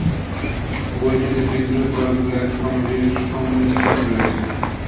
বইটিতে বিদ্রুপ আর "ব্ল্যাক কমেডি"’র সংমিশ্রণ রয়েছে।